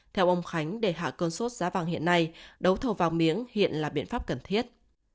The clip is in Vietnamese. theo ông khánh để hạ cơn sốt giá vàng hiện nay đấu thầu vàng miếng hiện là biện pháp cần thiết